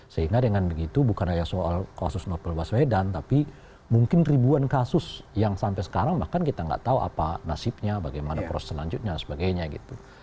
sehingga dengan begitu bukan hanya soal kasus novel baswedan tapi mungkin ribuan kasus yang sampai sekarang bahkan kita nggak tahu apa nasibnya bagaimana proses selanjutnya dan sebagainya gitu